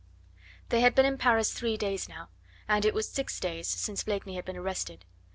They had been in Paris three days now, and it was six days since Blakeney had been arrested.